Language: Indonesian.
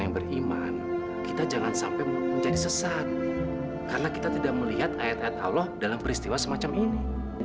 jangan hidup begitu pak kho